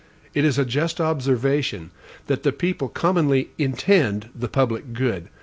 It is a just observation, that the people commonly INTEND the PUBLIC GOOD.